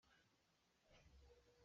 Suimilam pakhat ah meng li a kal kho.